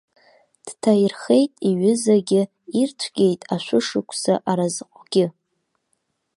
Дҭаирхеит иҩызагьы, ирцәгьеит ашәышықәса аразҟгьы!